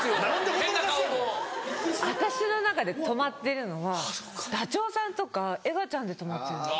私の中で止まってるのはダチョウさんとかエガちゃんで止まってるんです。